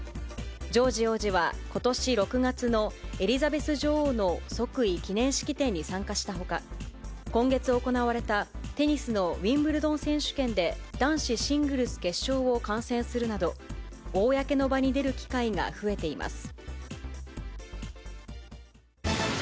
ジョージ王子はことし６月のエリザベス女王の即位記念式典に参加したほか、今月行われたテニスのウィンブルドン選手権で、男子シングルス決勝を観戦するなど、公の場に出る機会が増えています。